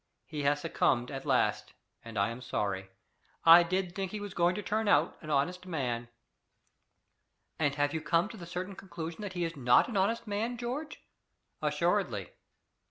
He has succumbed at last, and I am sorry! I did think he was going to turn out an honest man!" "And you have come to the certain conclusion that he is not an honest man, George?" "Assuredly."